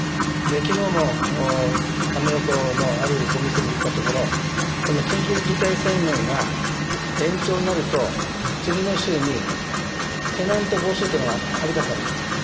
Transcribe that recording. きのうもアメ横のあるお店に行ったところ、この緊急事態宣言が延長になると、次の週にテナント募集っていうのが貼り出される。